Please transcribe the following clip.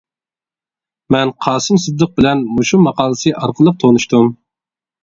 مەن قاسىم سىدىق بىلەن مۇشۇ ماقالىسى ئارقىلىق تونۇشتۇم.